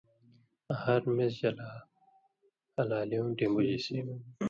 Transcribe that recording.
آں ہر میسجہ لا ہَلالِیُوں ڈھمبُژِسیۡ،